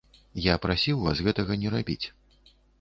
Я прасіў вас гэтага не рабіць.